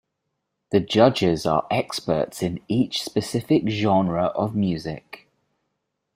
The judges are experts in each specific genre of music.